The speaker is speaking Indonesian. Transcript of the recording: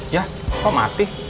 ya kok mati